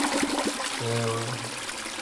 古人亦有以乌鸦为报喜之说。